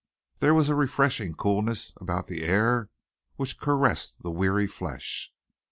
There was a refreshing coolness about the air which caressed the weary flesh.